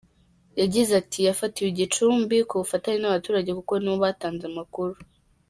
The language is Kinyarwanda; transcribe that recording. Yagize ati “ Yafatiwe i Gicumbi ku bufatanye n’abaturage kuko nibo batanze amakuru.